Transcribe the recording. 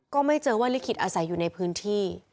ก็ไม่เจอว่าลิขิตอาศัยอยู่ในพื้นที่